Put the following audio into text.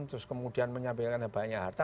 terus kemudian menyampaikan banyak harta